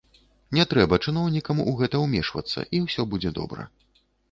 Не трэба чыноўнікам у гэта ўмешвацца, і ўсё будзе добра.